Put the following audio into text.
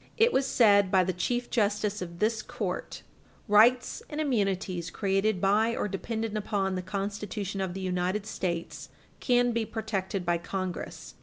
214, it was aid by the Chief Justice of this court: "Rights and immunities created by or dependent upon the Constitution of the United States can be protected by Congress.